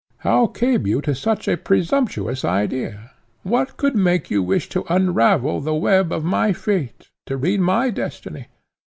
How came you to such a presumptuous idea? what could make you wish to unravel the web of my fate, to read my destiny?